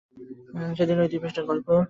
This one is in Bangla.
সেদিন ওই দুই পৃষ্ঠার গল্প।